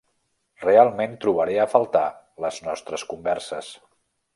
Realment trobaré a faltar les nostres converses.